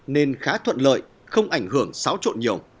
nên khá thuận lợi không ảnh hưởng xáo trộn nhiều